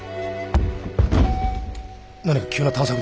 何か急な探索でも？